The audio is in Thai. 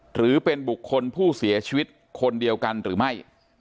หรือเป็นบุคคลผู้เสียชีวิตคนเดียวกันหรือไม่